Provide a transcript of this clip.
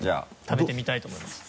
食べてみたいと思います。